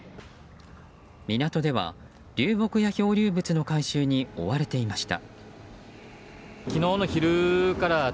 港では流木や漂流物の回収に追われていました。